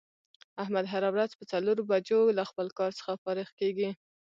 احمد هره روځ په څلور بجو له خپل کار څخه فارغ کېږي.